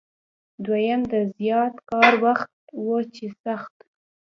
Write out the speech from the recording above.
دویم د زیات کار وخت و چې سخت و.